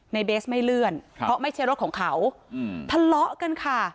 เบสไม่เลื่อนเพราะไม่ใช่รถของเขาทะเลาะกันค่ะ